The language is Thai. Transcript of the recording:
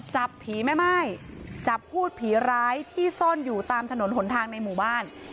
จับผีแม่ม่ายจับพูดผีร้ายที่ซ่อนอยู่ตามถนนหนทางในหมู่บ้าน